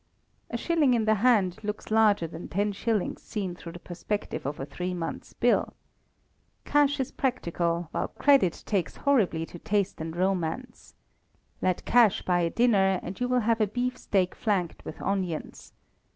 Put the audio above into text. A shilling in the hand looks larger than ten shillings seen through the perspective of a three months' bill. Cash is practical, while credit takes horribly to taste and romance. Let cash buy a dinner, and you will have a beef steak flanked with onions.